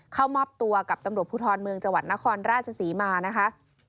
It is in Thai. เข้ามอบตัวกับตำรวจภูทรเมืองจังหวัดนครราชศรีมานะคะ